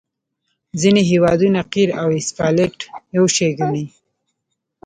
ځینې هیوادونه قیر او اسفالټ یو شی ګڼي